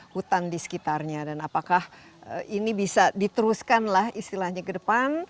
hutan di sekitarnya dan apakah ini bisa diteruskanlah istilahnya ke depan